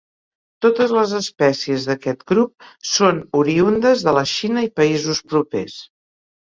Totes les espècies d'aquest grup són oriündes de la Xina i països propers.